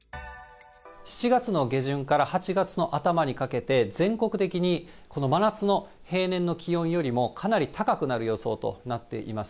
７月の下旬から８月の頭にかけて、全国的にこの真夏の平年の気温よりもかなり高くなる予想となっています。